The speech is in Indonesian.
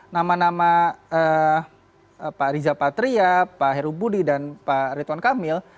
nama nama pak riza patria pak herobudi dan pak ritwan kamil